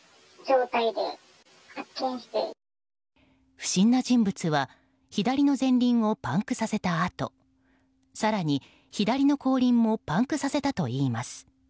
不審な人物は左の前輪をパンクさせたあと更に、左の後輪もパンクさせたといいます。